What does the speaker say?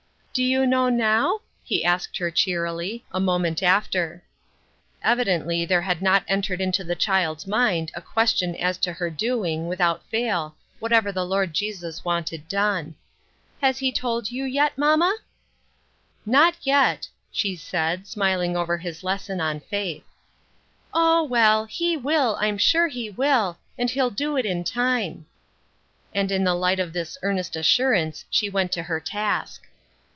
" Do you know now ?" he asked her cheerily, a UNDER GUIDANCE. 3 I 5 moment after. Evidently there had not entered the child's mind a question as to her doing, without fail, whatever the Lord Jesus wanted done. " Has He told you yet, mamma?" "Not yet," she said, smiling over his lesson on faith. " O, well ! He will, I'm sure He will, and He'll do it in time." And in the lijrht of this earnest assurance she went to her task.